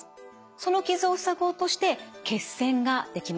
その傷を塞ごうとして血栓ができます。